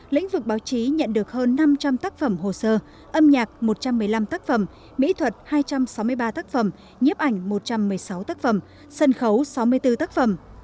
lĩnh vực báo chí nhận được hơn năm trăm linh tác phẩm hồ sơ âm nhạc một trăm một mươi năm tác phẩm mỹ thuật hai trăm sáu mươi ba tác phẩm nhiếp ảnh một trăm một mươi sáu tác phẩm sân khấu sáu mươi bốn tác phẩm